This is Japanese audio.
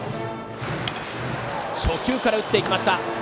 初球から打っていきました。